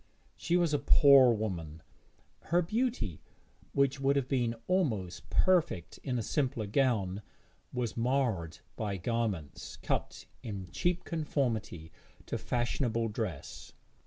She was a poor woman; her beauty, which would have been almost perfect in a simpler gown, was marred by garments cut in cheap conformity to fashionable dress.